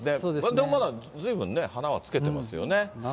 でもまだずいぶんね、花はつけてますよね。